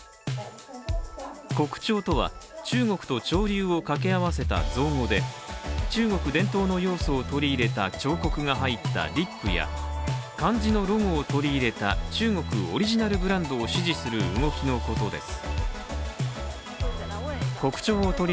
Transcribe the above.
国潮とは中国と潮流を掛け合わせた造語で中国伝統の要素を取り入れた彫刻が入ったリップや漢字のロゴを取り入れた、中国オリジナルブランドを支持する動きのことです。